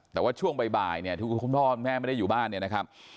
แต่ว่าช่วงบ่ายเนี่ยที่คุณพ่อคุณแม่ไม่ได้อยู่บ้านเนี่ยนะครับ